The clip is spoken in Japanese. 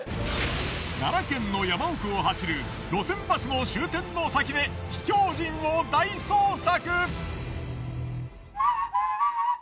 奈良県の山奥を走る路線バスの終点の先で秘境人を大捜索！